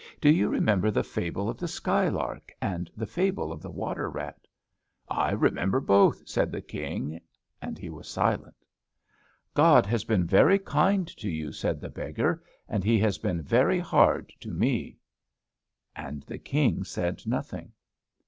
Do you remember the fable of the Sky lark, and the fable of the Water rat?" "I remember both," said the King. And he was silent. "God has been very kind to you," said the beggar; "and He has been very hard to me." And the King said nothing.